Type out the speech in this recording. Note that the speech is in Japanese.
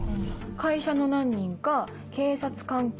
会社の何人か警察関係